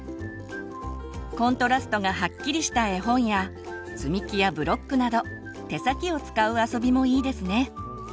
コントラストがはっきりした絵本や積み木やブロックなど手先を使う遊びもいいですね。